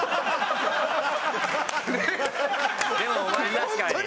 でもお前確かに。